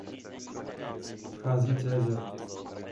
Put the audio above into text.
Vchází Cesare.